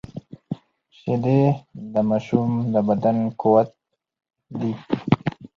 شیدې د ماشوم د بدن قوت دي